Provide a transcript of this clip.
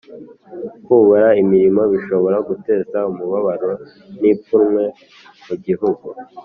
kubura imirimo bishobora guteza umubabaro n'ipfunwe mu gihugu